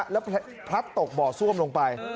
แล้วพลัดตกบ่อซ่วมลงไป